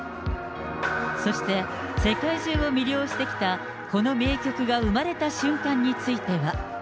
そして、世界中を魅了してきたこの名曲が生まれた瞬間については。